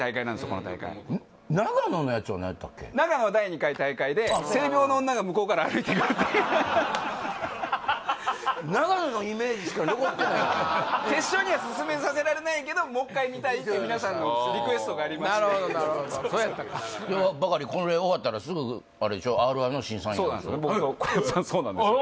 この大会永野のやつは何やったっけ永野は第２回大会で性病の女が向こうから歩いてくるって永野のイメージしか残ってないねん決勝には進めさせられないけどもう一回見たいって皆さんのリクエストがありましてなるほどなるほどそうやったか今日はバカリこれ終わったらすぐあれでしょそうなんですよ